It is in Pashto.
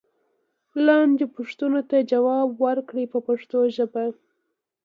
لاندې پوښتنو ته ځواب ورکړئ په پښتو ژبه.